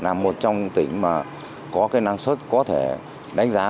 là một trong tỉnh mà có cái năng suất có thể đánh giá